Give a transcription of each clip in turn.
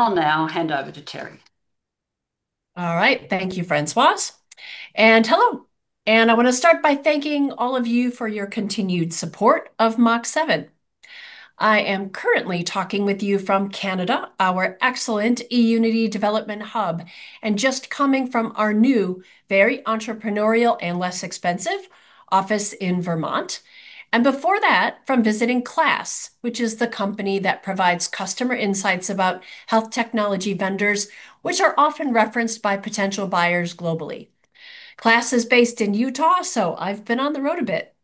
I'll now hand over to Teri. All right. Thank you, Françoise. Hello. I want to start by thanking all of you for your continued support of Mach7. I am currently talking with you from Canada, our excellent eUnity development hub, and just coming from our new, very entrepreneurial and less expensive office in Vermont. Before that, from visiting KLAS, which is the company that provides customer insights about health technology vendors, which are often referenced by potential buyers globally. KLAS is based in Utah, so I've been on the road a bit.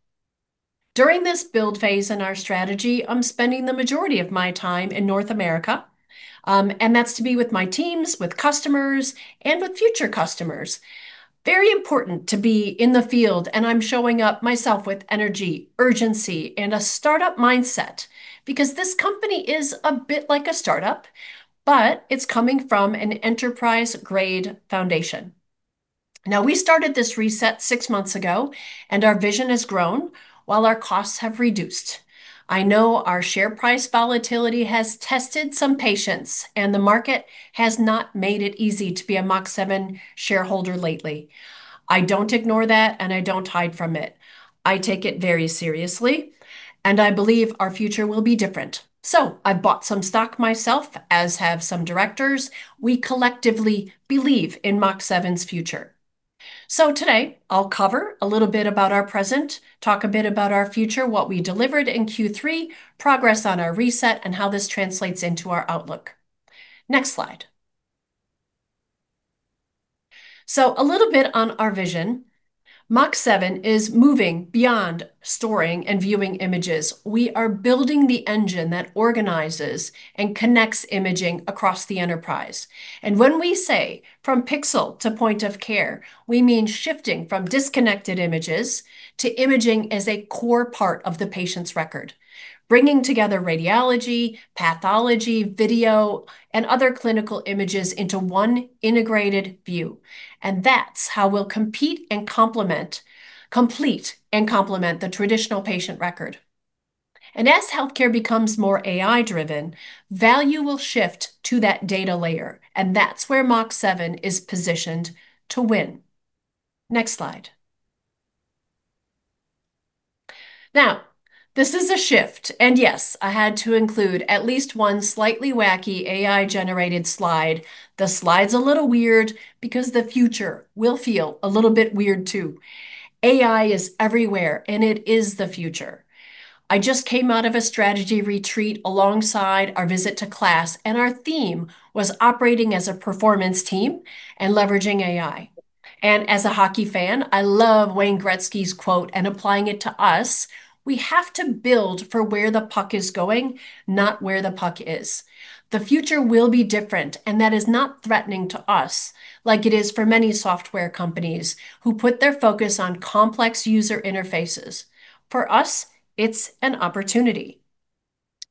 During this build phase in our strategy, I'm spending the majority of my time in North America, and that's to be with my teams, with customers, and with future customers. Very important to be in the field, and I'm showing up myself with energy, urgency, and a startup mindset. Because this company is a bit like a startup, but it's coming from an enterprise-grade foundation. Now, we started this reset six months ago, and our vision has grown while our costs have reduced. I know our share price volatility has tested some patience, and the market has not made it easy to be a Mach7 shareholder lately. I don't ignore that, and I don't hide from it. I take it very seriously, and I believe our future will be different. I bought some stock myself, as have some directors. We collectively believe in Mach7's future. Today, I'll cover a little bit about our present, talk a bit about our future, what we delivered in Q3, progress on our reset, and how this translates into our outlook. Next slide. A little bit on our vision. Mach7 is moving beyond storing and viewing images. We are building the engine that organizes and connects imaging across the enterprise. When we say from pixel to point of care, we mean shifting from disconnected images to imaging as a core part of the patient's record, bringing together radiology, pathology, video, and other clinical images into one integrated view. That's how we'll compete and complement the traditional patient record. As healthcare becomes more AI-driven, value will shift to that data layer, and that's where Mach7 is positioned to win. Next slide. Now, this is a shift, and yes, I had to include at least one slightly wacky AI-generated slide. The slide's a little weird because the future will feel a little bit weird, too. AI is everywhere, and it is the future. I just came out of a strategy retreat alongside our visit to KLAS, and our theme was operating as a performance team and leveraging AI. As a hockey fan, I love Wayne Gretzky's quote and applying it to us. "We have to build for where the puck is going, not where the puck is." The future will be different, and that is not threatening to us like it is for many software companies who put their focus on complex user interfaces. For us, it's an opportunity.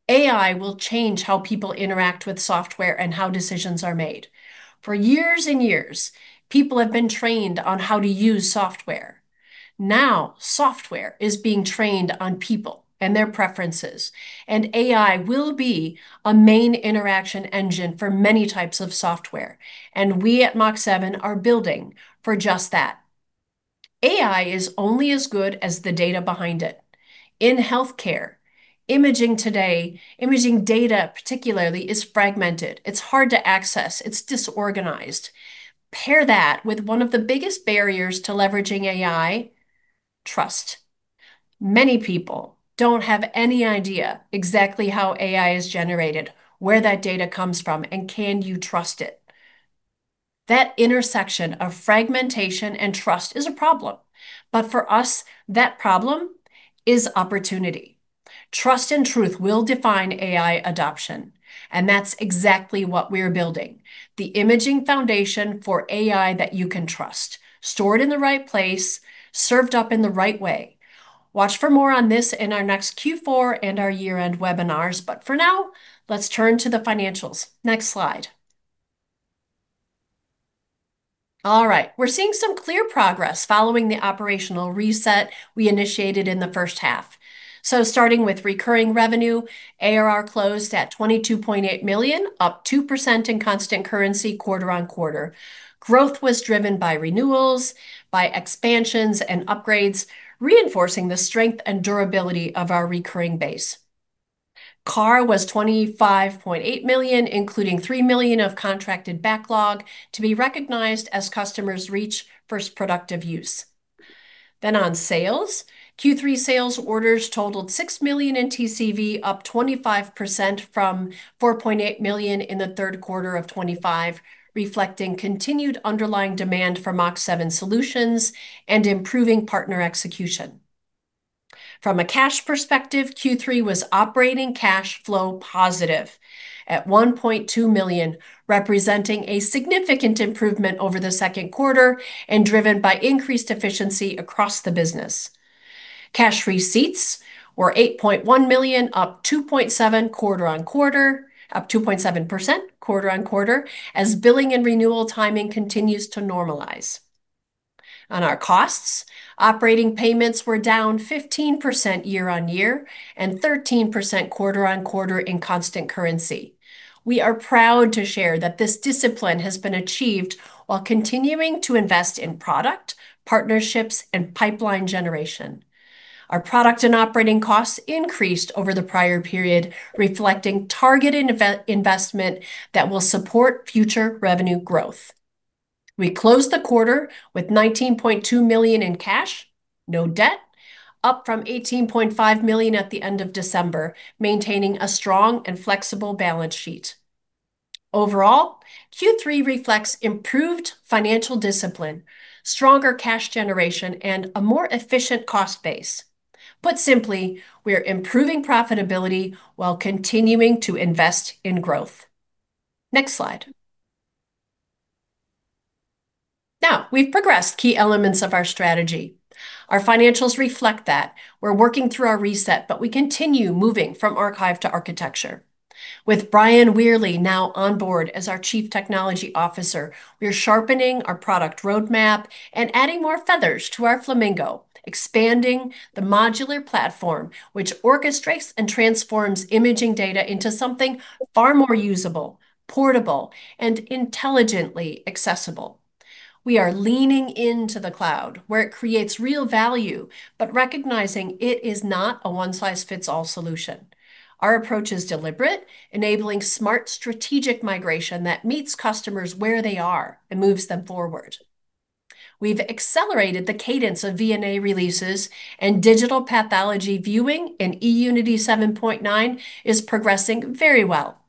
AI will change how people interact with software and how decisions are made. For years and years, people have been trained on how to use software. Now, software is being trained on people and their preferences, and AI will be a main interaction engine for many types of software. We at Mach7 are building for just that. AI is only as good as the data behind it. In healthcare, imaging today, imaging data particularly, is fragmented. It's hard to access. It's disorganized. Pair that with one of the biggest barriers to leveraging AI, trust. Many people don't have any idea exactly how AI is generated, where that data comes from, and can you trust it? That intersection of fragmentation and trust is a problem. But for us, that problem is opportunity. Trust and truth will define AI adoption, and that's exactly what we're building. The imaging foundation for AI that you can trust. Stored in the right place, served up in the right way. Watch for more on this in our next Q4 and our year-end webinars. But for now, let's turn to the financials. Next slide. All right. We're seeing some clear progress following the operational reset we initiated in the first half. Starting with recurring revenue, ARR closed at 22.8 million, up 2% in constant currency quarter-on-quarter. Growth was driven by renewals, by expansions, and upgrades, reinforcing the strength and durability of our recurring base. CARR was 25.8 million, including 3 million of contracted backlog to be recognized as customers reach first productive use. On sales, Q3 sales orders totaled 6 million in TCV, up 25% from 4.8 million in the third quarter of 2025, reflecting continued underlying demand for Mach7 solutions and improving partner execution. From a cash perspective, Q3 was operating cash flow positive at 1.2 million, representing a significant improvement over the second quarter and driven by increased efficiency across the business. Cash receipts were 8.1 million, up 2.7% quarter-on-quarter, as billing and renewal timing continues to normalize. On our costs, operating payments were down 15% year-on-year and 13% quarter-on-quarter in constant currency. We are proud to share that this discipline has been achieved while continuing to invest in product, partnerships, and pipeline generation. Our product and operating costs increased over the prior period, reflecting targeted investment that will support future revenue growth. We closed the quarter with 19.2 million in cash, no debt, up from 18.5 million at the end of December, maintaining a strong and flexible balance sheet. Overall, Q3 reflects improved financial discipline, stronger cash generation, and a more efficient cost base. Put simply, we're improving profitability while continuing to invest in growth. Next slide. Now, we've progressed key elements of our strategy. Our financials reflect that. We're working through our reset, but we continue moving from archive to architecture. With Brian Wehrli now on board as our Chief Technology Officer, we are sharpening our product roadmap and adding more feathers to our Flamingo, expanding the modular platform which orchestrates and transforms imaging data into something far more usable, portable, and intelligently accessible. We are leaning into the cloud where it creates real value, but recognizing it is not a one-size-fits-all solution. Our approach is deliberate, enabling smart, strategic migration that meets customers where they are and moves them forward. We've accelerated the cadence of VNA releases, and digital pathology viewing in eUnity 7.9 is progressing very well.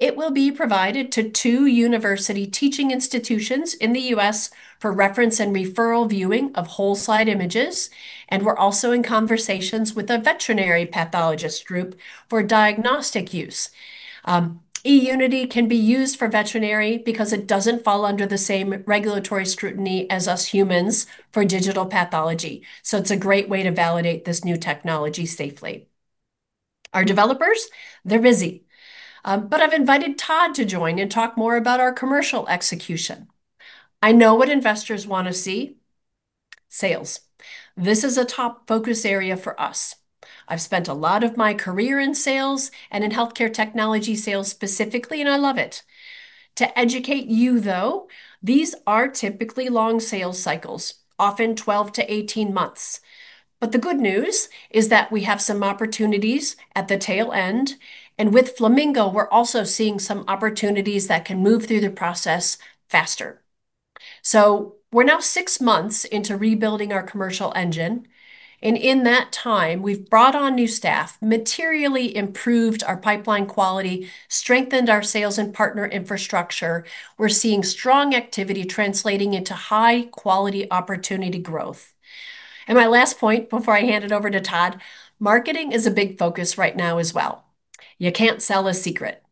It will be provided to two university teaching institutions in the U.S. for reference and referral viewing of whole slide images, and we're also in conversations with a veterinary pathologist group for diagnostic use. eUnity can be used for veterinary because it doesn't fall under the same regulatory scrutiny as us humans for digital pathology. It's a great way to validate this new technology safely. Our developers, they're busy. I've invited Todd to join and talk more about our commercial execution. I know what investors want to see, sales. This is a top focus area for us. I've spent a lot of my career in sales and in healthcare technology sales specifically, and I love it. To educate you, though, these are typically long sales cycles, often 12-18 months. The good news is that we have some opportunities at the tail end. With Flamingo, we're also seeing some opportunities that can move through the process faster. We're now six months into rebuilding our commercial engine, and in that time, we've brought on new staff, materially improved our pipeline quality, strengthened our sales and partner infrastructure. We're seeing strong activity translating into high-quality opportunity growth. My last point before I hand it over to Todd, marketing is a big focus right now as well. You can't sell a secret.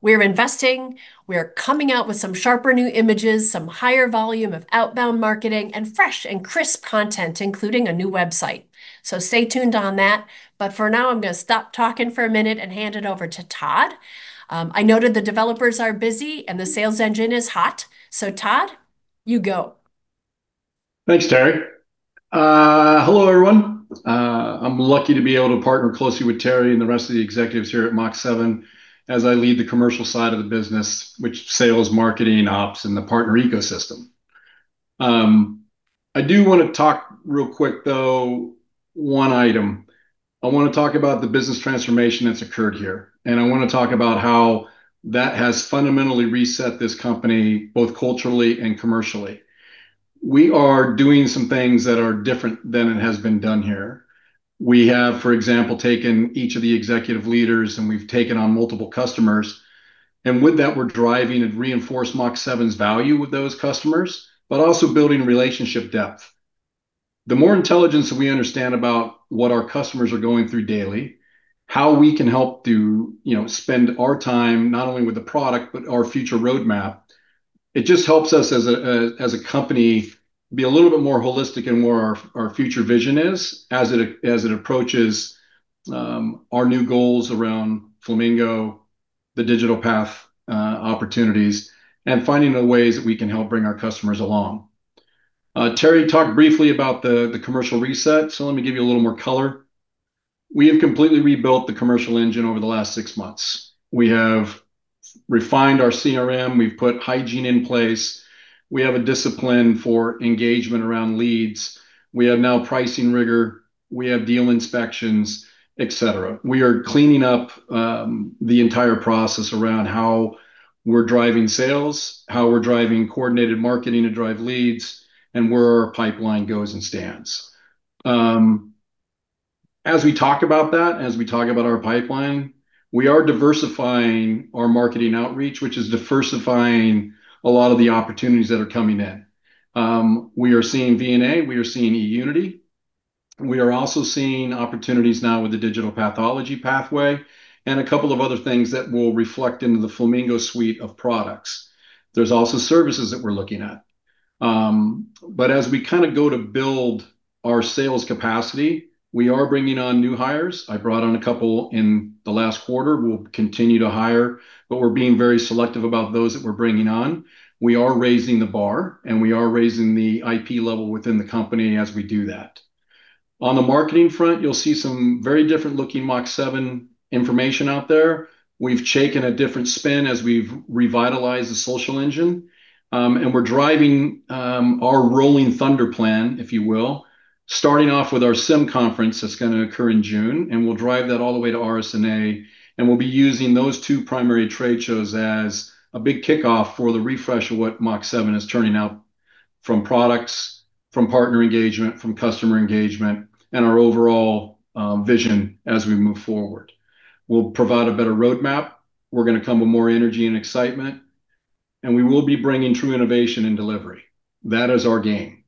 We're investing. We are coming out with some sharper new images, some higher volume of outbound marketing, and fresh and crisp content, including a new website. Stay tuned on that. For now, I'm going to stop talking for a minute and hand it over to Todd. I noted the developers are busy, and the sales engine is hot. Todd, you go. Thanks, Teri. Hello, everyone. I'm lucky to be able to partner closely with Teri and the rest of the executives here at Mach7 as I lead the commercial side of the business, which is sales, marketing, ops, and the partner ecosystem. I do want to talk real quick, though, one item. I want to talk about the business transformation that's occurred here, and I want to talk about how that has fundamentally reset this company, both culturally and commercially. We are doing some things that are different than it has been done here. We have, for example, taken each of the executive leaders, and we've taken on multiple customers. With that, we're driving and reinforce Mach7's value with those customers, but also building relationship depth. The more intelligence that we understand about what our customers are going through daily, how we can help to spend our time not only with the product but our future roadmap. It just helps us as a company be a little bit more holistic in where our future vision is as it approaches our new goals around Flamingo, the digital pathology opportunities, and finding the ways that we can help bring our customers along. Teri talked briefly about the commercial reset, so let me give you a little more color. We have completely rebuilt the commercial engine over the last six months. We have refined our CRM. We've put hygiene in place. We have a discipline for engagement around leads. We have now pricing rigor. We have deal inspections, etc. We are cleaning up the entire process around how we're driving sales, how we're driving coordinated marketing to drive leads, and where our pipeline goes and stands. As we talk about that, as we talk about our pipeline, we are diversifying our marketing outreach, which is diversifying a lot of the opportunities that are coming in. We are seeing VNA. We are seeing eUnity. We are also seeing opportunities now with the digital pathology pathway and a couple of other things that will reflect into the Flamingo suite of products. There's also services that we're looking at. As we kind of go to build our sales capacity, we are bringing on new hires. I brought on a couple in the last quarter. We'll continue to hire, but we're being very selective about those that we're bringing on. We are raising the bar, and we are raising the IP level within the company as we do that. On the marketing front, you'll see some very different looking Mach7 information out there. We've taken a different spin as we've revitalized the social engine. We're driving our rolling thunder plan, if you will, starting off with our SIIM conference that's going to occur in June, and we'll drive that all the way to RSNA, and we'll be using those two primary trade shows as a big kickoff for the refresh of what Mach7 is turning out from products, from partner engagement, from customer engagement, and our overall vision as we move forward. We'll provide a better roadmap. We're going to come with more energy and excitement, and we will be bringing true innovation and delivery. That is our game.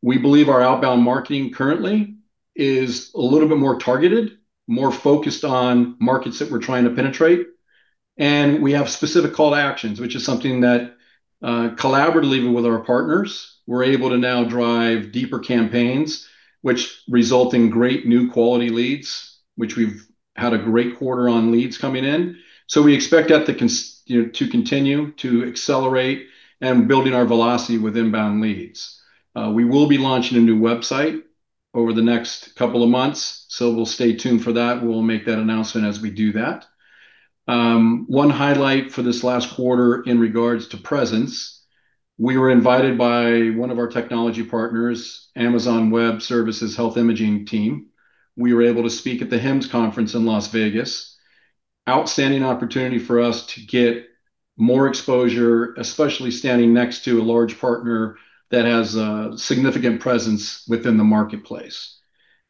We believe our outbound marketing currently is a little bit more targeted, more focused on markets that we're trying to penetrate, and we have specific call to actions, which is something that, collaboratively with our partners, we're able to now drive deeper campaigns, which result in great new quality leads, which we've had a great quarter on leads coming in. We expect that to continue to accelerate and building our velocity with inbound leads. We will be launching a new website over the next couple of months, so we'll stay tuned for that. We'll make that announcement as we do that. One highlight for this last quarter in regards to presence, we were invited by one of our technology partners, Amazon Web Services Health Imaging team. We were able to speak at the HIMSS conference in Las Vegas. Outstanding opportunity for us to get more exposure, especially standing next to a large partner that has a significant presence within the marketplace.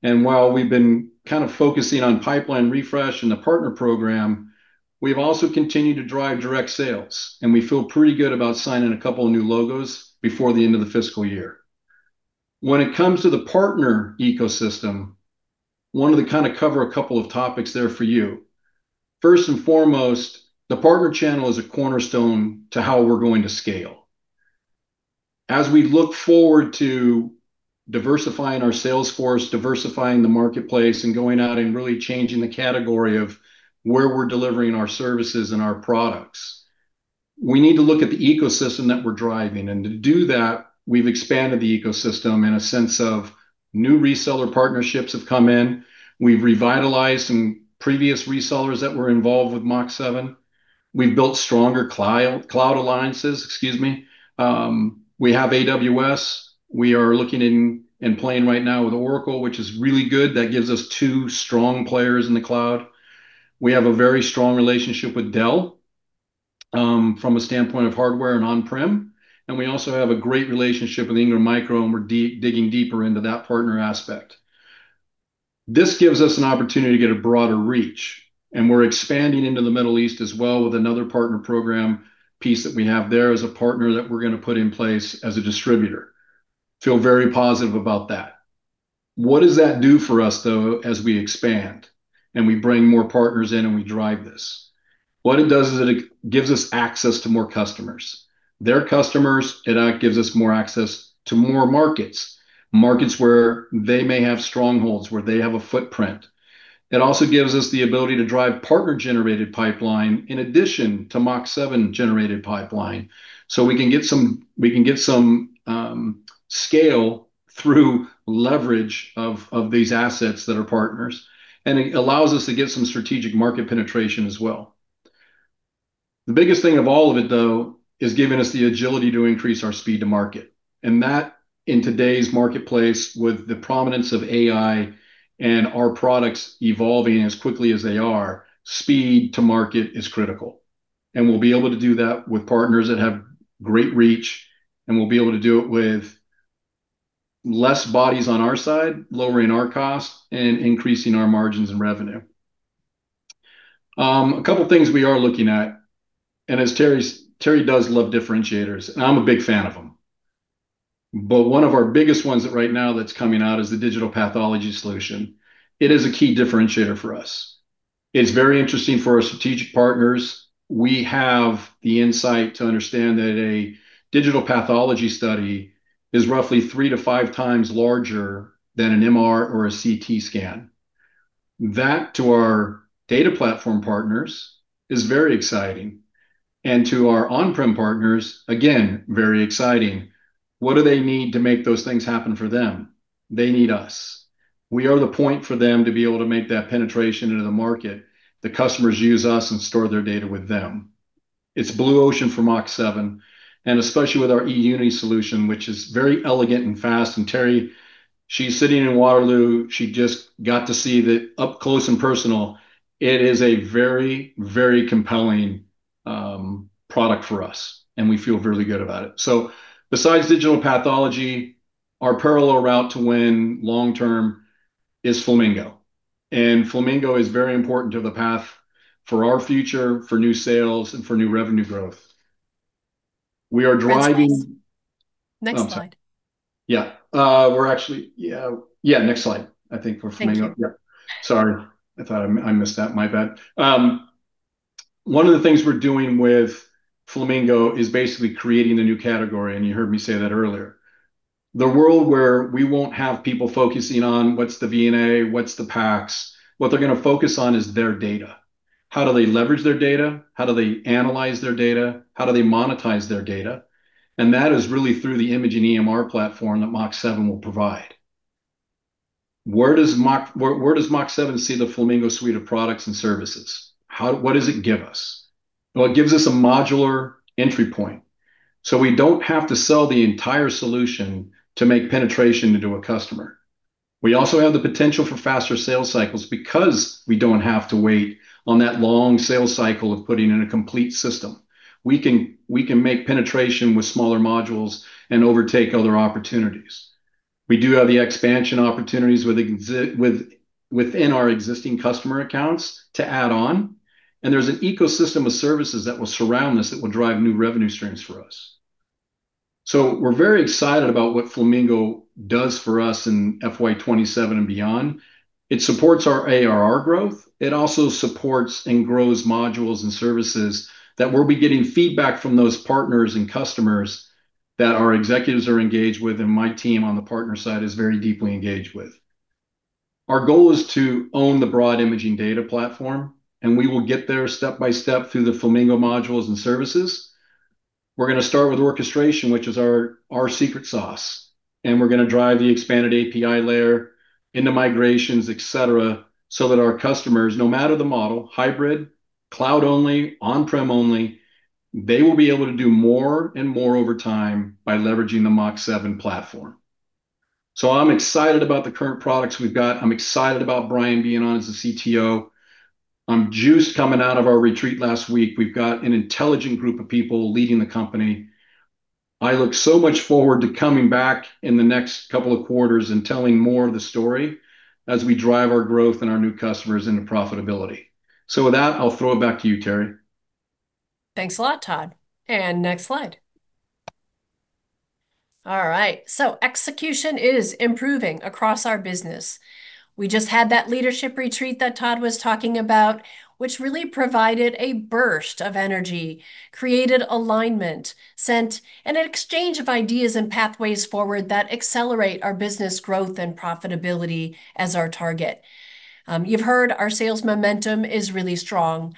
While we've been kind of focusing on pipeline refresh and the partner program, we've also continued to drive direct sales, and we feel pretty good about signing a couple of new logos before the end of the fiscal year. When it comes to the partner ecosystem, I wanted to kind of cover a couple of topics there for you. First and foremost, the partner channel is a cornerstone to how we're going to scale. As we look forward to diversifying our sales force, diversifying the marketplace, and going out and really changing the category of where we're delivering our services and our products, we need to look at the ecosystem that we're driving. To do that, we've expanded the ecosystem in a sense of new reseller partnerships have come in. We've revitalized some previous resellers that were involved with Mach7. We've built stronger cloud alliances. Excuse me. We have AWS. We are looking into and playing right now with Oracle, which is really good. That gives us two strong players in the cloud. We have a very strong relationship with Dell from a standpoint of hardware and on-prem, and we also have a great relationship with Ingram Micro, and we're digging deeper into that partner aspect. This gives us an opportunity to get a broader reach, and we're expanding into the Middle East as well with another partner program piece that we have there as a partner that we're going to put in place as a distributor. We feel very positive about that. What does that do for us, though, as we expand and we bring more partners in and we drive this? What it does is it gives us access to more customers, their customers, it gives us more access to more markets where they may have strongholds, where they have a footprint. It also gives us the ability to drive partner-generated pipeline in addition to Mach7-generated pipeline. We can get some scale through leverage of these assets that are partners, and it allows us to get some strategic market penetration as well. The biggest thing of all of it, though, is giving us the agility to increase our speed to market. That, in today's marketplace, with the prominence of AI and our products evolving as quickly as they are, speed to market is critical. We'll be able to do that with partners that have great reach, and we'll be able to do it with less bodies on our side, lowering our cost, and increasing our margins and revenue. A couple of things we are looking at, and as Teri does love differentiators, and I'm a big fan of them. One of our biggest ones right now that's coming out is the digital pathology solution. It is a key differentiator for us. It's very interesting for our strategic partners. We have the insight to understand that a digital pathology study is roughly three to five times larger than an MR or a CT scan. That, to our data platform partners, is very exciting. To our on-prem partners, again, very exciting. What do they need to make those things happen for them? They need us. We are the point for them to be able to make that penetration into the market. The customers use us and store their data with them. It's blue ocean for Mach7, and especially with our eUnity solution, which is very elegant and fast. Teri, she's sitting in Waterloo. She just got to see that up close and personal. It is a very, very compelling product for us, and we feel really good about it. Besides digital pathology, our parallel route to win long term is Flamingo. Flamingo is very important to the path for our future, for new sales, and for new revenue growth. We are driving. Next slide. Next slide. I think we're Flamingo. Thank you. Yeah. Sorry. I thought I missed that. My bad. One of the things we're doing with Flamingo is basically creating the new category, and you heard me say that earlier. The world where we won't have people focusing on what's the VNA, what's the PACS. What they're going to focus on is their data. How do they leverage their data? How do they analyze their data? How do they monetize their data? That is really through the imaging EMR platform that Mach7 will provide. Where does Mach7 see the Flamingo suite of products and services? What does it give us? Well, it gives us a modular entry point, so we don't have to sell the entire solution to make penetration into a customer. We also have the potential for faster sales cycles because we don't have to wait on that long sales cycle of putting in a complete system. We can make penetration with smaller modules and overtake other opportunities. We do have the expansion opportunities within our existing customer accounts to add on, and there's an ecosystem of services that will surround us that will drive new revenue streams for us. We're very excited about what Flamingo does for us in FY 2027 and beyond. It supports our ARR growth. It also supports and grows modules and services that we'll be getting feedback from those partners and customers that our executives are engaged with, and my team on the partner side is very deeply engaged with. Our goal is to own the broad imaging data platform, and we will get there step by step through the Flamingo modules and services. We're going to start with orchestration, which is our secret sauce, and we're going to drive the expanded API layer into migrations, etc, so that our customers, no matter the model, hybrid, cloud only, on-prem only, they will be able to do more and more over time by leveraging the Mach7 platform. I'm excited about the current products we've got. I'm excited about Brian being on as the CTO. I'm juiced coming out of our retreat last week. We've got an intelligent group of people leading the company. I look so much forward to coming back in the next couple of quarters and telling more of the story as we drive our growth and our new customers into profitability. With that, I'll throw it back to you, Teri. Thanks a lot, Todd. Next slide. All right, execution is improving across our business. We just had that leadership retreat that Todd was talking about, which really provided a burst of energy, created alignment, sent an exchange of ideas and pathways forward that accelerate our business growth and profitability as our target. You've heard our sales momentum is really strong.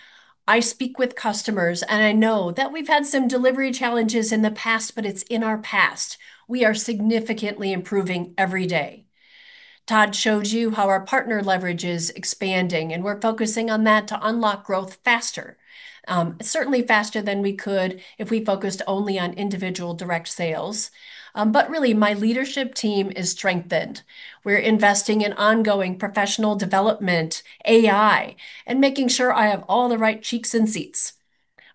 I speak with customers, and I know that we've had some delivery challenges in the past, but it's in our past. We are significantly improving every day. Todd showed you how our partner leverage is expanding, and we're focusing on that to unlock growth faster. Certainly faster than we could if we focused only on individual direct sales. Really, my leadership team is strengthened. We're investing in ongoing professional development, AI, and making sure I have all the right cheeks in seats.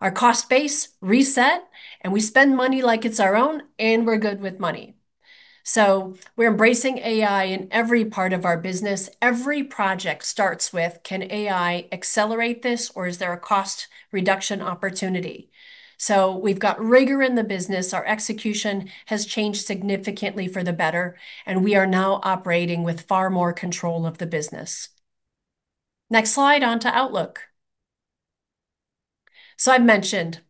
Our cost base reset, and we spend money like it's our own, and we're good with money. We're embracing AI in every part of our business. Every project starts with, can AI accelerate this, or is there a cost reduction opportunity? We've got rigor in the business. Our execution has changed significantly for the better, and we are now operating with far more control of the business. Next slide, onto outlook. I've mentioned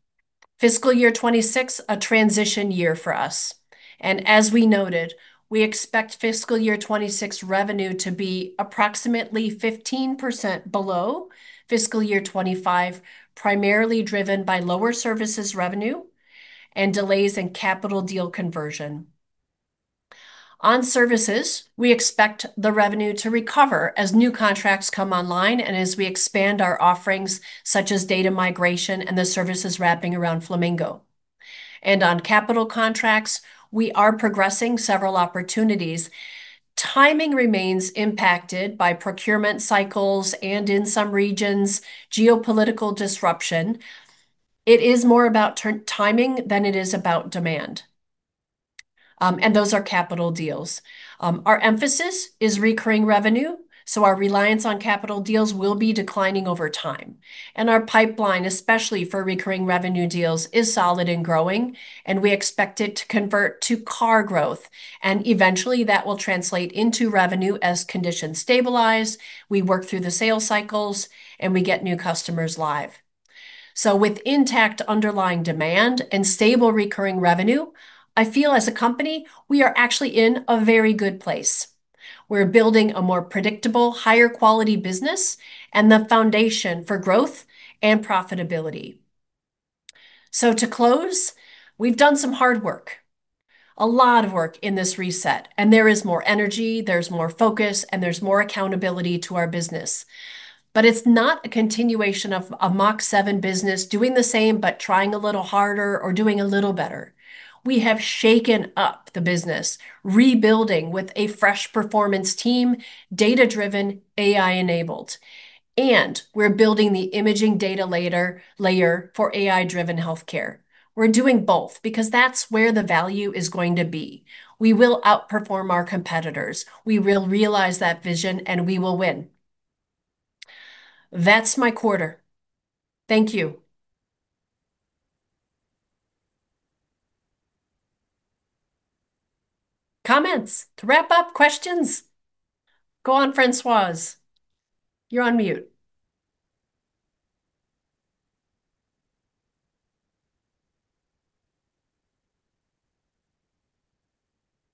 fiscal year 2026, a transition year for us, and as we noted, we expect fiscal year 2026 revenue to be approximately 15% below fiscal year 2025, primarily driven by lower services revenue and delays in capital deal conversion. On services, we expect the revenue to recover as new contracts come online and as we expand our offerings, such as data migration and the services wrapping around Flamingo. On capital contracts, we are progressing several opportunities. Timing remains impacted by procurement cycles and, in some regions, geopolitical disruption. It is more about timing than it is about demand. Those are capital deals. Our emphasis is recurring revenue, so our reliance on capital deals will be declining over time. Our pipeline, especially for recurring revenue deals, is solid and growing, and we expect it to convert to CARR growth, and eventually, that will translate into revenue as conditions stabilize, we work through the sales cycles, and we get new customers live. With intact underlying demand and stable recurring revenue, I feel as a company, we are actually in a very good place. We're building a more predictable, higher quality business and the foundation for growth and profitability. To close, we've done some hard work, a lot of work in this reset, and there is more energy, there's more focus, and there's more accountability to our business. It's not a continuation of a Mach7 business doing the same, but trying a little harder or doing a little better. We have shaken up the business, rebuilding with a fresh performance team, data-driven, AI-enabled. We're building the imaging data layer for AI-driven healthcare. We're doing both because that's where the value is going to be. We will outperform our competitors. We will realize that vision, and we will win. That's my quarter. Thank you. Comments? To wrap up, questions? Go on, Françoise. You're on mute.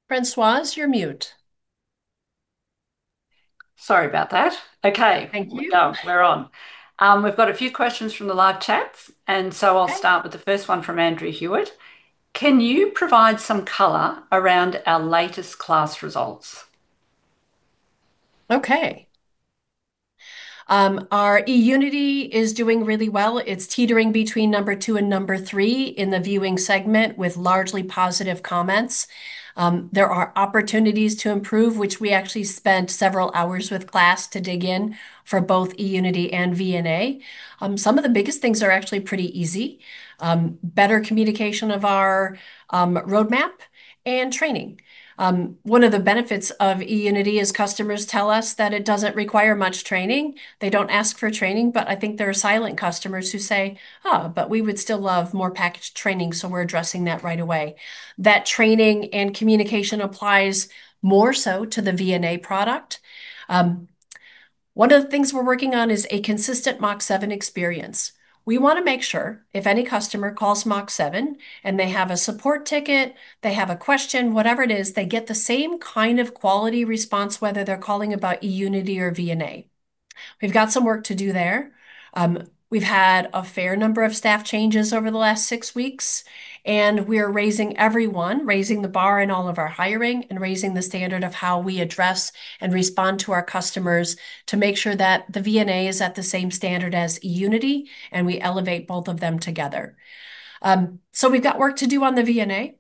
Françoise, you're mute. Sorry about that. Okay. Thank you. We're on. We've got a few questions from the live chats, so I'll start. Okay Up with the first one from Andrew Hewitt. Can you provide some color around our latest KLAS results? Okay. Our eUnity is doing really well. It's teetering between number two and number three in the viewing segment with largely positive comments. There are opportunities to improve, which we actually spent several hours with KLAS to dig in for both eUnity and VNA. Some of the biggest things are actually pretty easy. Better communication of our roadmap, and training. One of the benefits of eUnity is customers tell us that it doesn't require much training. They don't ask for training, but I think there are silent customers who say, "Oh, but we would still love more packaged training," so we're addressing that right away. That training and communication applies more so to the VNA product. One of the things we're working on is a consistent Mach7 experience. We want to make sure if any customer calls Mach7, and they have a support ticket, they have a question, whatever it is, they get the same kind of quality response, whether they're calling about eUnity or VNA. We've got some work to do there. We've had a fair number of staff changes over the last six weeks, and we're raising everyone, raising the bar in all of our hiring, and raising the standard of how we address and respond to our customers to make sure that the VNA is at the same standard as eUnity, and we elevate both of them together. We've got work to do on the VNA.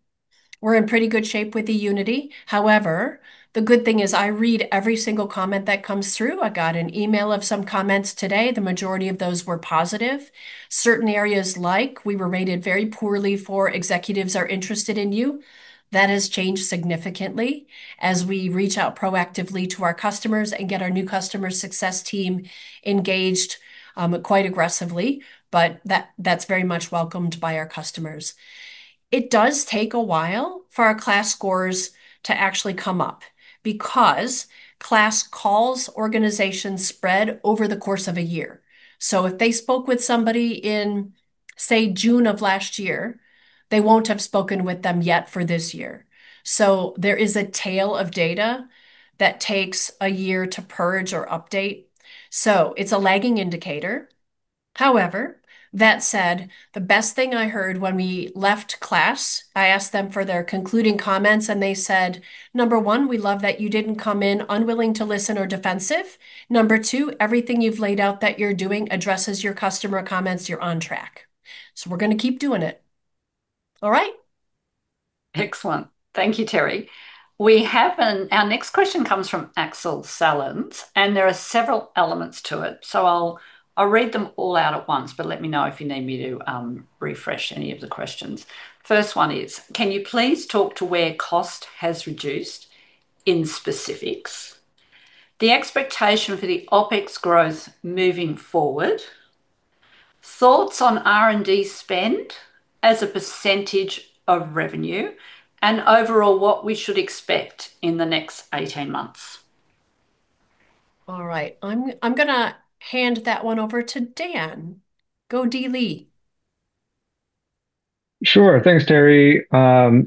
We're in pretty good shape with eUnity. However, the good thing is I read every single comment that comes through. I got an email of some comments today. The majority of those were positive. Certain areas like we were rated very poorly for executives are interested in you. That has changed significantly as we reach out proactively to our customers and get our new customer success team engaged quite aggressively, but that's very much welcomed by our customers. It does take a while for our KLAS scores to actually come up, because KLAS calls organizations spread over the course of a year. If they spoke with somebody in, say, June of last year, they won't have spoken with them yet for this year. There is a tail of data that takes a year to purge or update. It's a lagging indicator. However, that said, the best thing I heard when we left KLAS, I asked them for their concluding comments, and they said, "Number one, we love that you didn't come in unwilling to listen or defensive. Number two, everything you've laid out that you're doing addresses your customer comments. You're on track." We're going to keep doing it. All right? Excellent. Thank you, Teri. Our next question comes from Axel Selent, and there are several elements to it. So I'll read them all out at once, but let me know if you need me to refresh any of the questions. First one is, can you please talk to where cost has reduced in specifics, the expectation for the OPEX growth moving forward, thoughts on R&D spend as a percentage of revenue, and overall, what we should expect in the next 18 months? All right. I'm going to hand that one over to Dan. Go Dan Lee. Sure. Thanks, Teri.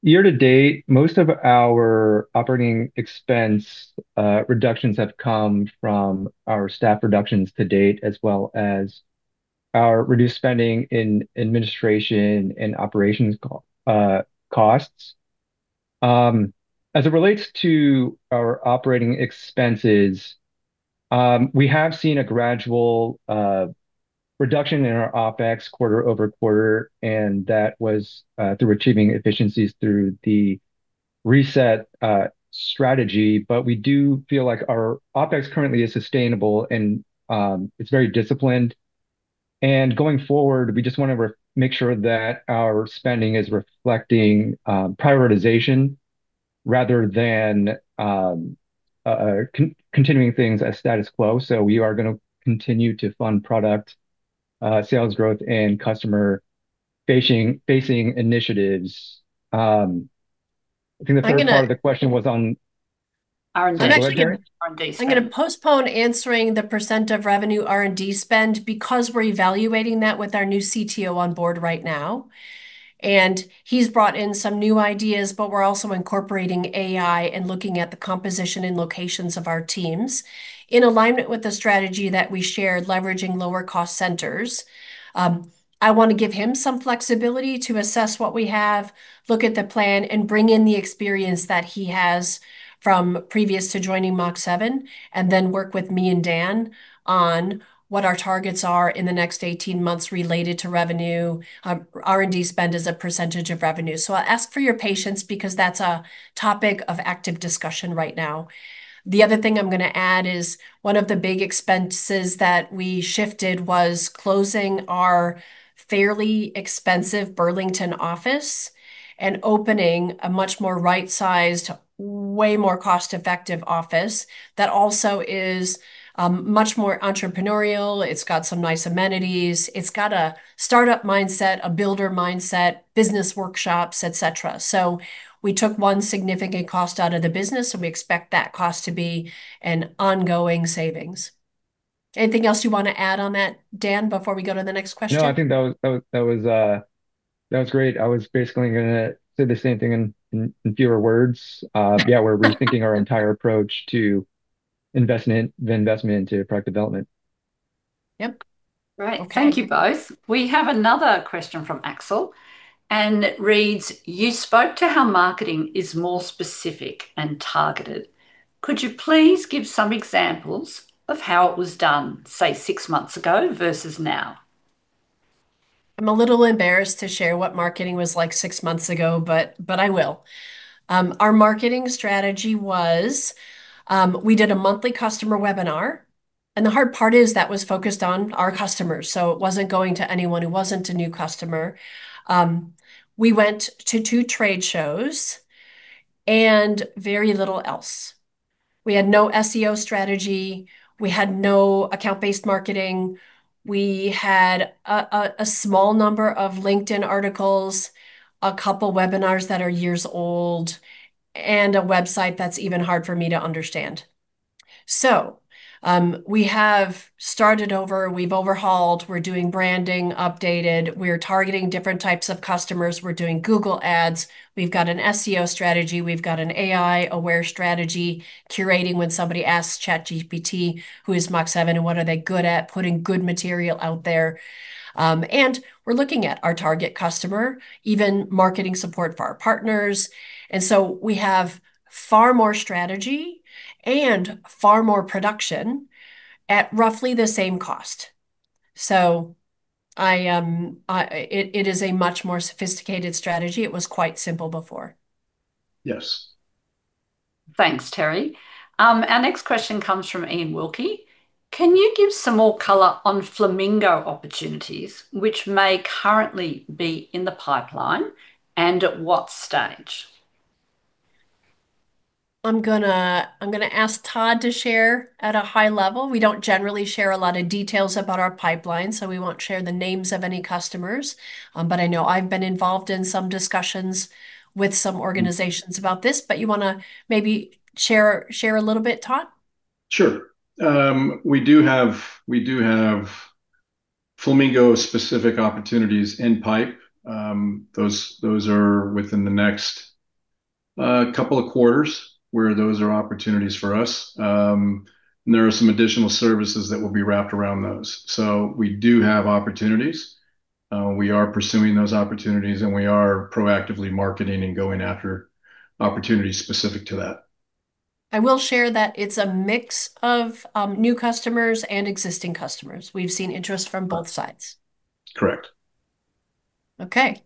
Year to date, most of our operating expense reductions have come from our staff reductions to date, as well as our reduced spending in administration and operations costs. As it relates to our operating expenses, we have seen a gradual reduction in our OPEX quarter over quarter, and that was through achieving efficiencies through the reset strategy. We do feel like our OPEX currently is sustainable, and it's very disciplined. Going forward, we just want to make sure that our spending is reflecting prioritization rather than continuing things as status quo. We are going to continue to fund product sales growth and customer-facing initiatives. I think the first part. I'm going to-... of the question was on- R&D spend R&D spend there? I'm actually going to postpone answering the percent of revenue R&D spend because we're evaluating that with our new CTO on board right now, and he's brought in some new ideas, but we're also incorporating AI and looking at the composition and locations of our teams. In alignment with the strategy that we shared, leveraging lower cost centers, I want to give him some flexibility to assess what we have, look at the plan, and bring in the experience that he has from previous to joining Mach7, and then work with me and Dan on what our targets are in the next 18 months related to revenue. R&D spend is a percentage of revenue. I'll ask for your patience because that's a topic of active discussion right now. The other thing I'm going to add is one of the big expenses that we shifted was closing our fairly expensive Burlington office and opening a much more right-sized, way more cost-effective office that also is much more entrepreneurial. It's got some nice amenities. It's got a startup mindset, a builder mindset, business workshops, et cetera. We took one significant cost out of the business, and we expect that cost to be an ongoing savings. Anything else you want to add on that, Dan, before we go to the next question? No, I think that was great. I was basically going to say the same thing in fewer words. Yeah, we're rethinking our entire approach to the investment into product development. Yep. Great. Thank you both. We have another question from Axel, and it reads, "You spoke to how marketing is more specific and targeted. Could you please give some examples of how it was done, say, six months ago versus now? I'm a little embarrassed to share what marketing was like six months ago, but I will. Our marketing strategy was, we did a monthly customer webinar, and the hard part is that was focused on our customers, so it wasn't going to anyone who wasn't a new customer. We went to two trade shows and very little else. We had no SEO strategy. We had no account-based marketing. We had a small number of LinkedIn articles, a couple webinars that are years old, and a website that's even hard for me to understand. We have started over. We've overhauled. We're doing branding updated. We're targeting different types of customers. We're doing Google Ads. We've got an SEO strategy. We've got an AI-aware strategy curating when somebody asks ChatGPT, "Who is Mach7 and what are they good at?" Putting good material out there. We're looking at our target customer, even marketing support for our partners. We have far more strategy and far more production at roughly the same cost. It is a much more sophisticated strategy. It was quite simple before. Yes. Thanks, Teri. Our next question comes from Iain Wilkie. "Can you give some more color on Flamingo opportunities, which may currently be in the pipeline, and at what stage? I'm going to ask Todd to share at a high level. We don't generally share a lot of details about our pipeline, so we won't share the names of any customers. I know I've been involved in some discussions with some organizations about this. You want to maybe share a little bit, Todd? Sure. We do have Flamingo-specific opportunities in pipeline. Those are within the next couple of quarters, where those are opportunities for us. There are some additional services that will be wrapped around those. We do have opportunities. We are pursuing those opportunities, and we are proactively marketing and going after opportunities specific to that. I will share that it's a mix of new customers and existing customers. We've seen interest from both sides. Correct. Okay.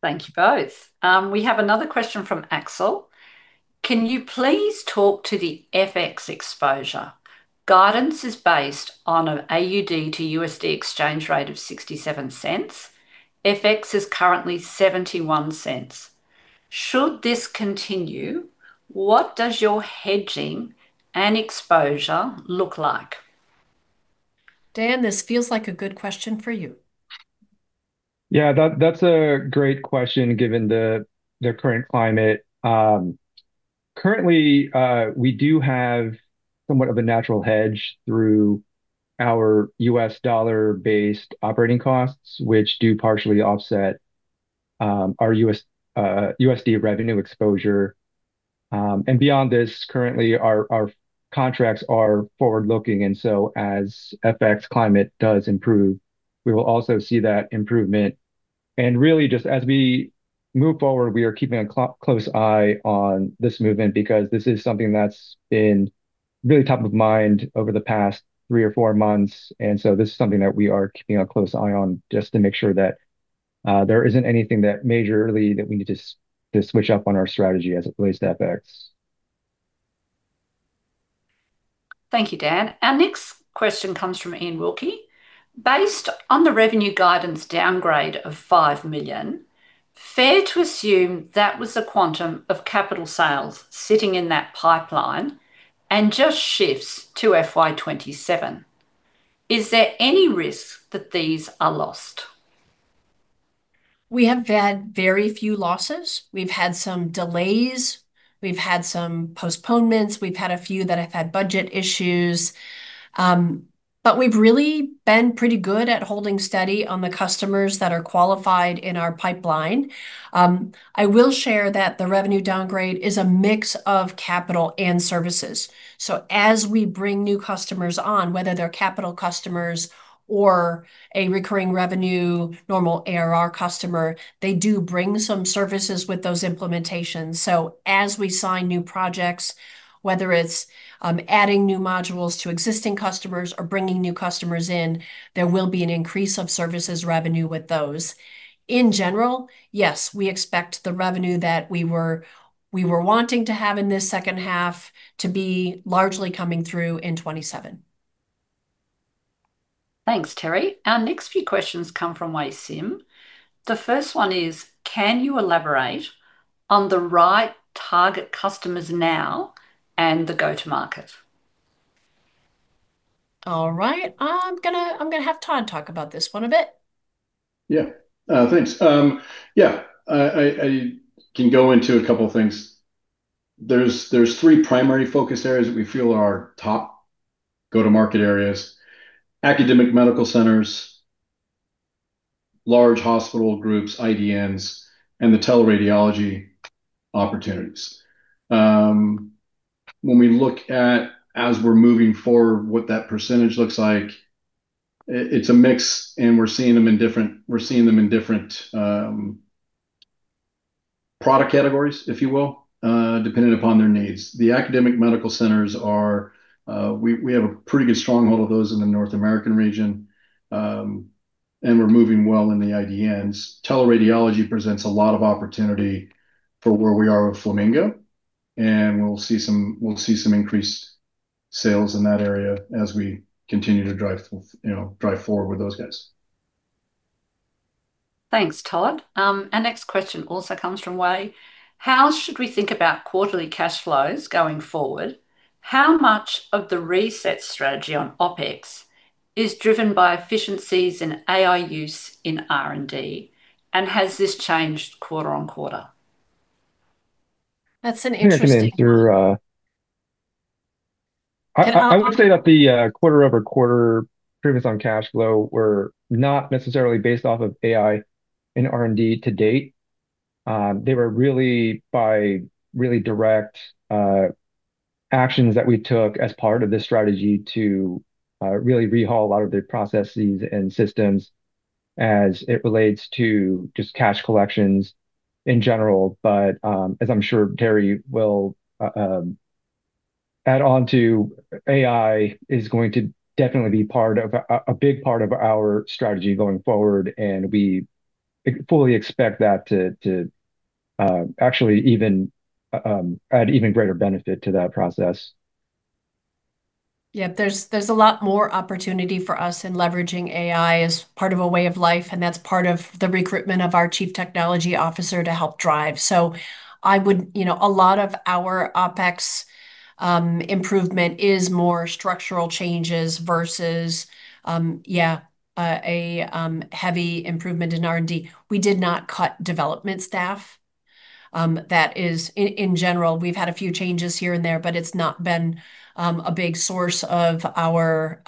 Thank you both. We have another question from Axel. "Can you please talk to the FX exposure? Guidance is based on an AUD to USD exchange rate of $0.67. FX is currently $0.71. Should this continue, what does your hedging and exposure look like? Dan, this feels like a good question for you. Yeah, that's a great question given the current climate. Currently, we do have somewhat of a natural hedge through our U.S. dollar-based operating costs, which do partially offset our USD revenue exposure. Beyond this, currently, our contracts are forward-looking, so as FX climate does improve, we will also see that improvement. Really just as we move forward, we are keeping a close eye on this movement because this is something that's been really top of mind over the past three or four months. This is something that we are keeping a close eye on just to make sure that there isn't anything that majorly we need to switch up on our strategy as it relates to FX. Thank you, Dan. Our next question comes from Iain Wilkie. "Based on the revenue guidance downgrade of 5 million, is it fair to assume that was the quantum of capital sales sitting in that pipeline and just shifts to FY 2027. Is there any risk that these are lost? We have had very few losses. We've had some delays. We've had some postponements. We've had a few that have had budget issues. We've really been pretty good at holding steady on the customers that are qualified in our pipeline. I will share that the revenue downgrade is a mix of capital and services. As we bring new customers on, whether they're capital customers or a recurring revenue normal ARR customer, they do bring some services with those implementations. As we sign new projects, whether it's adding new modules to existing customers or bringing new customers in, there will be an increase of services revenue with those. In general, yes, we expect the revenue that we were wanting to have in this second half to be largely coming through in 2027. Thanks, Teri. Our next few questions come from Wai Sim. The first one is, "Can you elaborate on the right target customers now and the go-to-market? All right. I'm going to have Todd talk about this one a bit. Yeah. Thanks. Yeah, I can go into a couple things. There are three primary focus areas that we feel are our top go-to-market areas: academic medical centers, large hospital groups, IDNs, and the teleradiology opportunities. When we look at, as we're moving forward, what that percentage looks like, it is a mix, and we're seeing them in different product categories, if you will, depending upon their needs. The academic medical centers. We have a pretty good stronghold of those in the North American region, and we're moving well in the IDNs. Teleradiology presents a lot of opportunity for where we are with Flamingo, and we'll see some increased sales in that area as we continue to drive forward with those guys. Thanks, Todd. Our next question also comes from Wai. "How should we think about quarterly cash flows going forward? How much of the reset strategy on OPEX is driven by efficiencies in AI use in R&D, and has this changed quarter-on-quarter? That's an interesting one. Yeah. I would say that the quarter-over-quarter improvements on cash flow were not necessarily based off of AI in R&D to date. They were really by direct actions that we took as part of the strategy to really overhaul a lot of the processes and systems as it relates to just cash collections in general. As I'm sure Teri will add on to, AI is going to definitely be a big part of our strategy going forward, and we fully expect that to actually even add even greater benefit to that process. Yeah. There's a lot more opportunity for us in leveraging AI as part of a way of life, and that's part of the recruitment of our Chief Technology Officer to help drive. A lot of our OpEx improvement is more structural changes versus a heavy improvement in R&D. We did not cut development staff. That is, in general, we've had a few changes here and there, but it's not been a big source of our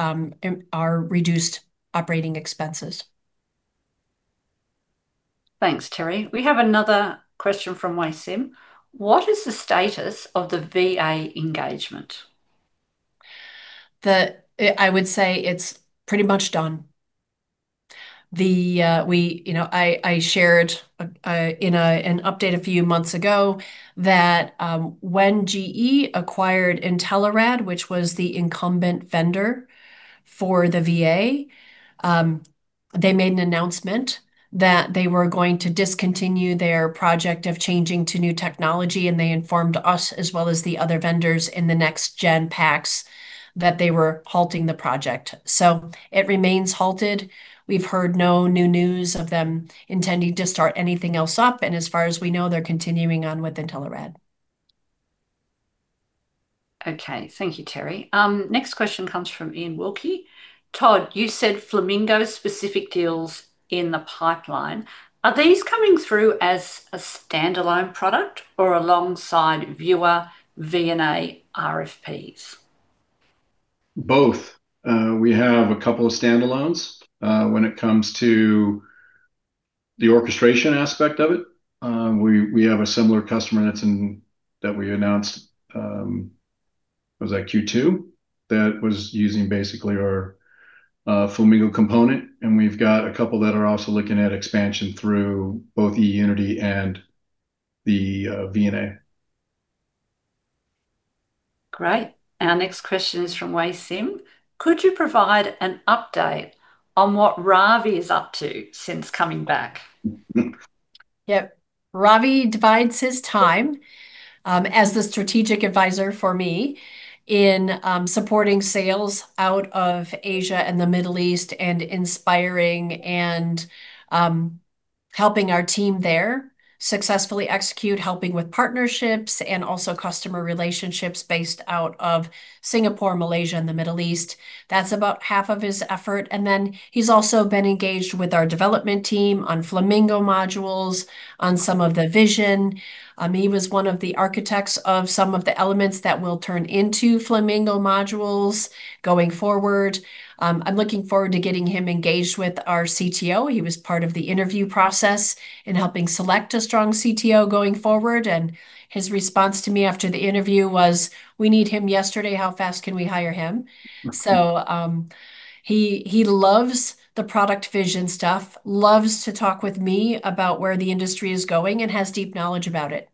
reduced operating expenses. Thanks, Teri. We have another question from Wai Sim. "What is the status of the VA engagement? I would say it's pretty much done. I shared in an update a few months ago that when GE HealthCare acquired Intelerad, which was the incumbent vendor for the VA, they made an announcement that they were going to discontinue their project of changing to new technology, and they informed us, as well as the other vendors in the next-generation PACS that they were halting the project. It remains halted. We've heard no new news of them intending to start anything else up, and as far as we know, they're continuing on with Intelerad. Okay. Thank you, Teri. Next question comes from Iain Wilkie. "Todd, you said Flamingo-specific deals in the pipeline. Are these coming through as a standalone product or alongside viewer VNA RFPs? Both. We have a couple of standalones. When it comes to the orchestration aspect of it, we have a similar customer that we announced, was that Q2? That was using basically our Flamingo component, and we've got a couple that are also looking at expansion through both eUnity and the VNA. Great. Our next question is from Wai Sim: "Could you provide an update on what Ravi is up to since coming back? Yep. Ravi divides his time as the strategic advisor for me in supporting sales out of Asia and the Middle East and inspiring and helping our team there successfully execute, helping with partnerships, and also customer relationships based out of Singapore, Malaysia, and the Middle East. That's about half of his effort, and then he's also been engaged with our development team on Flamingo modules, on some of the vision. He was one of the architects of some of the elements that will turn into Flamingo modules, going forward. I'm looking forward to getting him engaged with our CTO. He was part of the interview process in helping select a strong CTO going forward, and his response to me after the interview was, "We need him yesterday- How fast can we hire him?" He loves the product vision stuff, loves to talk with me about where the industry is going, and has deep knowledge about it.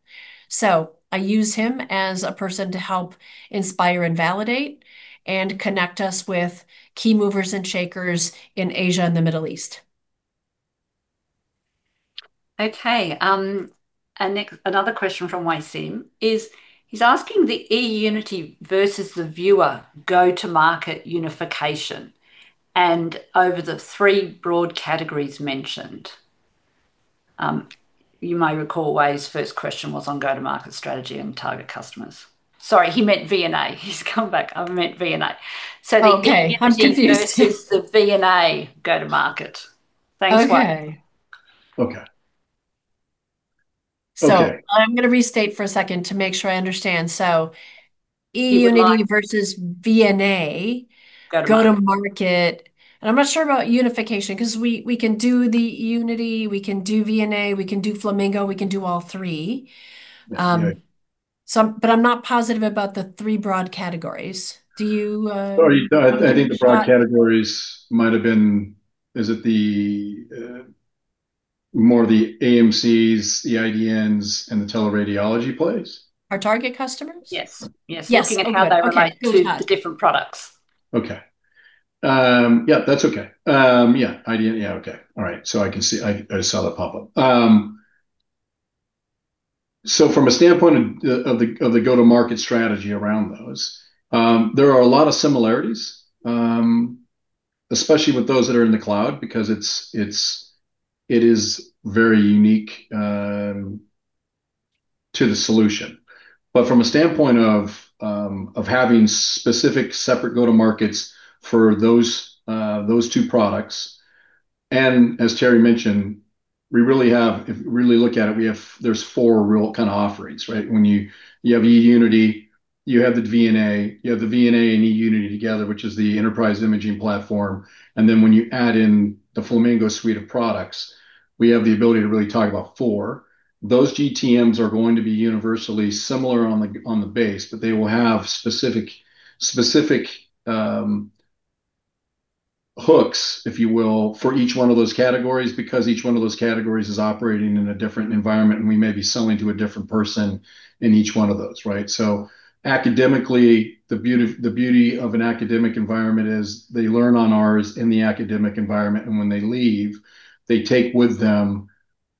I use him as a person to help inspire, validate, and connect us with key movers and shakers in Asia and the Middle East. Okay. Another question from Wai Sim is, he's asking the eUnity versus the viewer go-to-market unification and over the three broad categories mentioned. You may recall Wai's first question was on go-to-market strategy and target customers. Sorry, he meant VNA. He's come back. I meant VNA. Okay, I was confused. The eUnity versus the VNA go-to-market. Thanks, Wai Sim. Okay. Okay. I'm going to restate for a second to make sure I understand. eUnity versus VNA go-to-market, and I'm not sure about unification because we can do the eUnity, we can do VNA, we can do Flamingo, we can do all three. Okay. I'm not positive about the three broad categories. Do you- Sorry. I think the broad categories might have been, is it more the AMCs, the IDNs, and the teleradiology plays? Our target customers? Yes. Yes. Okay. Looking at how they relate to the different products. Okay. Yeah, that's okay. Yeah. IDN. Yeah. Okay. All right. I can see. I just saw that pop up. From a standpoint of the go-to-market strategy around those, there are a lot of similarities, especially with those that are in the cloud, because it is very unique to the solution. From a standpoint of having specific separate go-to-markets for those two products, and as Teri mentioned, if you really look at it, there's four real kind of offerings, right? When you have eUnity, you have the VNA, you have the VNA and eUnity together, which is the enterprise imaging platform. Then when you add in the Flamingo suite of products, we have the ability to really talk about four. Those GTMs are going to be universally similar on the base, but they will have specific hooks, if you will, for each one of those categories, because each one of those categories is operating in a different environment, and we may be selling to a different person in each one of those, right? Academically, the beauty of an academic environment is they learn on ours in the academic environment, and when they leave, they take with them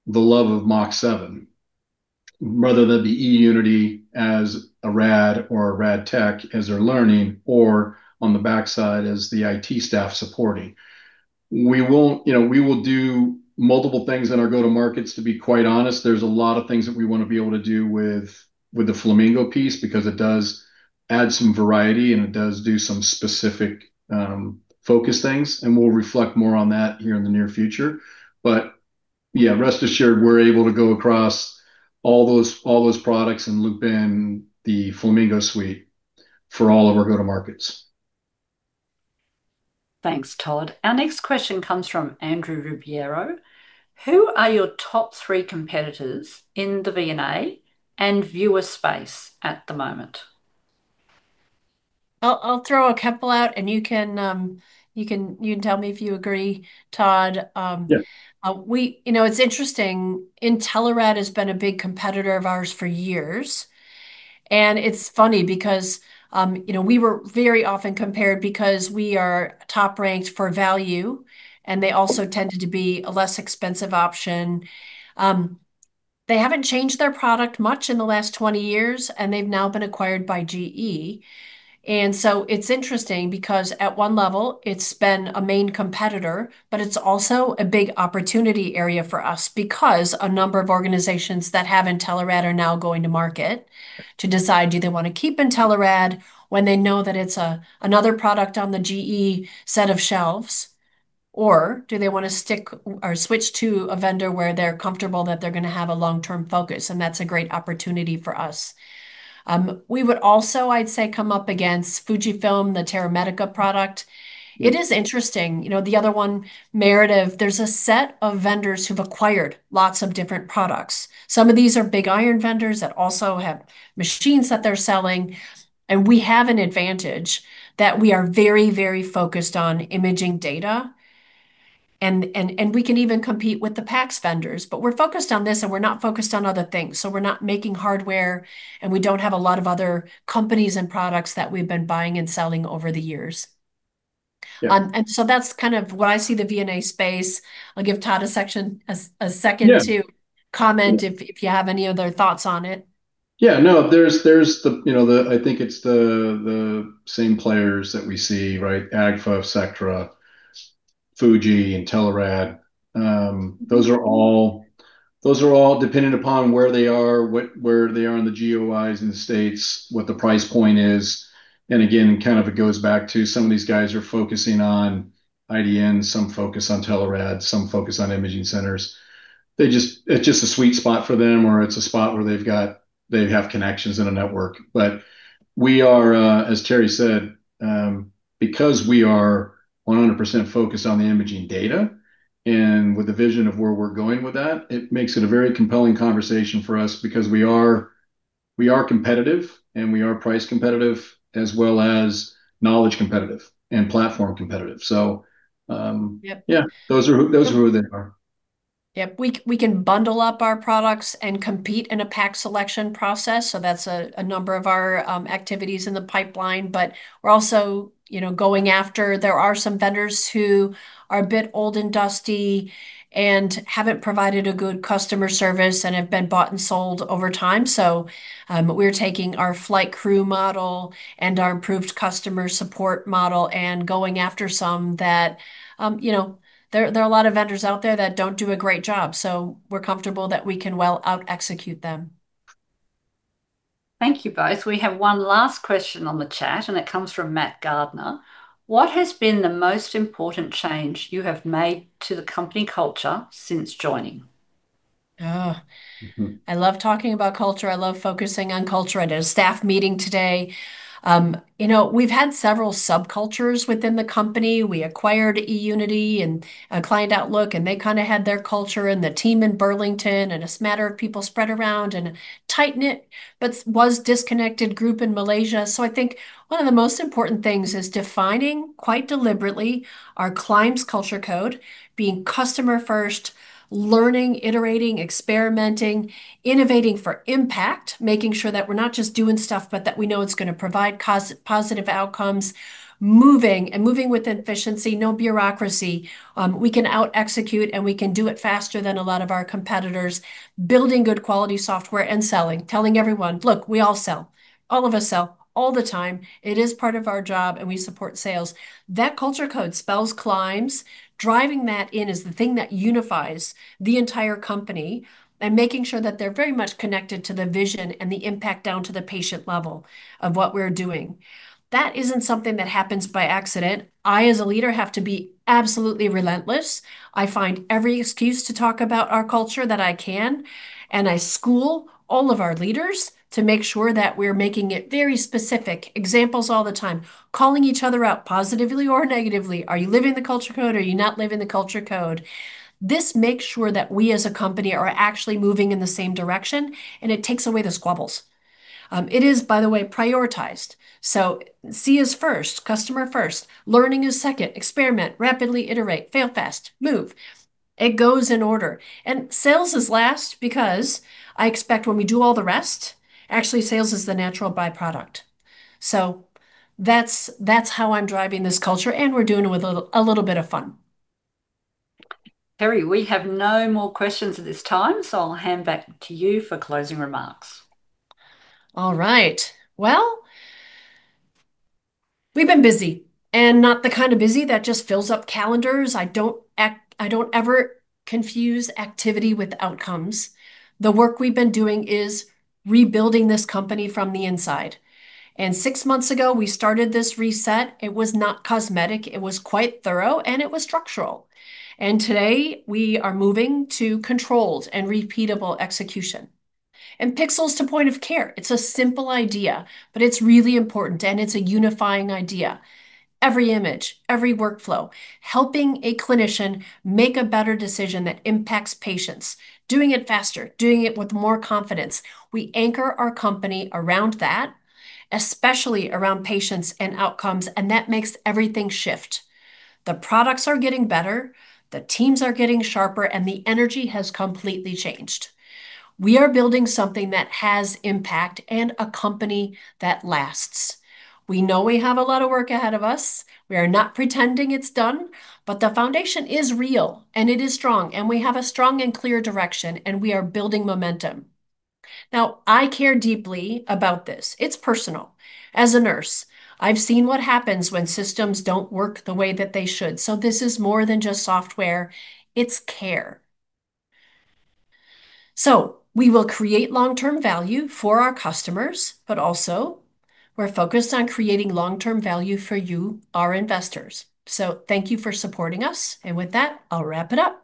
the love of Mach7, whether that be eUnity as a rad or a rad tech as they're learning, or on the backside as the IT staff supporting. We will do multiple things in our go-to markets, to be quite honest. There's a lot of things that we want to be able to do with the Flamingo piece because it does add some variety, and it does do some specific focus things, and we'll reflect more on that here in the near future. Yeah, rest assured, we're able to go across all those products and loop in the Flamingo suite for all of our go-to markets. Thanks, Todd. Our next question comes from Andrew Ribeiro. Who are your top three competitors in the VNA and viewer space at the moment? I'll throw a couple out and you can tell me if you agree, Todd. Yeah. It's interesting. Intelerad has been a big competitor of ours for years, and it's funny because we were very often compared because we are top-ranked for value, and they also tended to be a less expensive option. They haven't changed their product much in the last 20 years, and they've now been acquired by GE, and so it's interesting because at one level it's been a main competitor, but it's also a big opportunity area for us because a number of organizations that have Intelerad are now going to market to decide do they want to keep Intelerad when they know that it's another product on the GE set of shelves, or do they want to stick or switch to a vendor where they're comfortable that they're going to have a long-term focus, and that's a great opportunity for us. We would also, I'd say, come up against Fujifilm, the TeraMedica product. It is interesting. The other one, Merative, there's a set of vendors who've acquired lots of different products. Some of these are big iron vendors that also have machines that they're selling, and we have an advantage that we are very focused on imaging data, and we can even compete with the PACS vendors. We're focused on this, and we're not focused on other things, so we're not making hardware, and we don't have a lot of other companies and products that we've been buying and selling over the years. Yeah. That's kind of where I see the VNA space. I'll give Todd a second- Yeah To comment if you have any other thoughts on it. Yeah. No. I think it's the same players that we see, right? Agfa, Sectra, Fujifilm, Intelerad. Those are all dependent upon where they are in the GPOs in the States, what the price point is. Again, kind of it goes back to some of these guys are focusing on IDN, some focus on Intelerad, some focus on imaging centers. It's just a sweet spot for them, or it's a spot where they have connections in a network. We are, as Teri said, because we are 100% focused on the imaging data and with the vision of where we're going with that, it makes it a very compelling conversation for us because we are competitive, and we are price competitive as well as knowledge competitive and platform competitive. Yep Yeah, those are who they are. Yep. We can bundle up our products and compete in a PACS selection process. That's a number of our activities in the pipeline. We're also going after, there are some vendors who are a bit old and dusty and haven't provided a good customer service and have been bought and sold over time. We're taking our flight crew model and our improved customer support model and going after some that, there are a lot of vendors out there that don't do a great job, so we're comfortable that we can well out-execute them. Thank you both. We have one last question on the chat, and it comes from Matt Gardner. What has been the most important change you have made to the company culture since joining? Oh. Mm-hmm. I love talking about culture. I love focusing on culture. I had a staff meeting today. We've had several subcultures within the company. We acquired eUnity and Client Outlook, and they kind of had their culture, and the team in Burlington, and a smatter of people spread around and a tight-knit but was disconnected group in Malaysia. I think one of the most important things is defining, quite deliberately, our CLIMBS culture code, being customer first, learning, iterating, experimenting, innovating for impact, making sure that we're not just doing stuff, but that we know it's going to provide positive outcomes. Moving, and moving with efficiency. No bureaucracy. We can out-execute, and we can do it faster than a lot of our competitors. Building good quality software and selling. Telling everyone, "Look, we all sell. All of us sell, all the time. It is part of our job, and we support sales." That culture code spells CLIMBS. Driving that in is the thing that unifies the entire company, and making sure that they're very much connected to the vision and the impact down to the patient level of what we're doing. That isn't something that happens by accident. I, as a leader, have to be absolutely relentless. I find every excuse to talk about our culture that I can, and I school all of our leaders to make sure that we're making it very specific. Examples all the time, calling each other out, positively or negatively. Are you living the culture code? Are you not living the culture code? This makes sure that we as a company are actually moving in the same direction, and it takes away the squabbles. It is, by the way, prioritized. C is first, customer first. Learning is second. Experiment. Rapidly iterate. Fail fast. Move. It goes in order. Sales is last because I expect when we do all the rest, actually, sales is the natural byproduct. That's how I'm driving this culture, and we're doing it with a little bit of fun. Teri, we have no more questions at this time, so I'll hand back to you for closing remarks. All right. Well, we've been busy, and not the kind of busy that just fills up calendars. I don't ever confuse activity with outcomes. The work we've been doing is rebuilding this company from the inside. Six months ago, we started this reset. It was not cosmetic. It was quite thorough, and it was structural. Today, we are moving to controlled and repeatable execution. Pixels to point of care. It's a simple idea, but it's really important, and it's a unifying idea. Every image, every workflow, helping a clinician make a better decision that impacts patients. Doing it faster, doing it with more confidence. We anchor our company around that, especially around patients and outcomes, and that makes everything shift. The products are getting better, the teams are getting sharper, and the energy has completely changed. We are building something that has impact and a company that lasts. We know we have a lot of work ahead of us. We are not pretending it's done, but the foundation is real, and it is strong, and we have a strong and clear direction, and we are building momentum. Now, I care deeply about this. It's personal. As a nurse, I've seen what happens when systems don't work the way that they should. This is more than just software, it's care. We will create long-term value for our customers, but also we're focused on creating long-term value for you, our investors. Thank you for supporting us. With that, I'll wrap it up.